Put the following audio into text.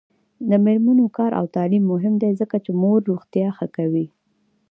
د میرمنو کار او تعلیم مهم دی ځکه چې مور روغتیا ښه کوي.